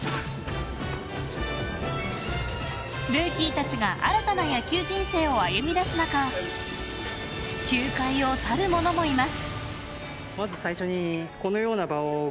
ルーキーたちが新たな野球人生を歩み出す中球界を去る者もいます。